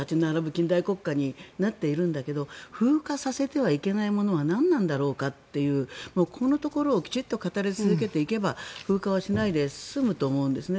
近代国家になっているけど風化させてはいけないものは何なんだろうかというこのところをきちんと語り続けていけば風化はしなくて済むと思うんですね。